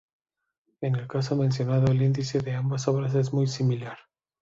En el caso mencionado, el índice de ambas obras es muy similar.